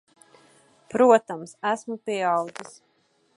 Protams. Esmu pieaudzis.